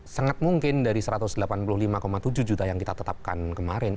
sangat mungkin dari satu ratus delapan puluh lima tujuh juta yang kami lakukan